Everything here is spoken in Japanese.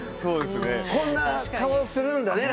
こんな顔するんだね